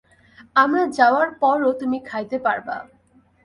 আমরা যাওয়ার পরও তুমি খাইতে পারবা।